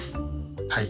はい。